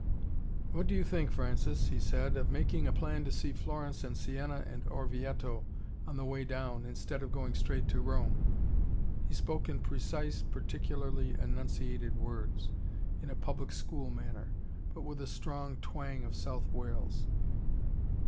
"What do you think, Francis," he said, "of making a plan to see Florence and Sienna and Orvieto on the way down, instead of going straight to Rome?" He spoke in precise, particularly enunciated words, in a public school manner, but with a strong twang of South Wales.